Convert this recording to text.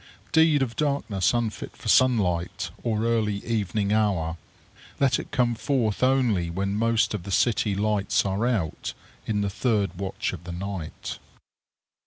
Deed of darkness unfit for sunlight, or early evening hour! Let it come forth only when most of the city lights are out, in the third watch of the night!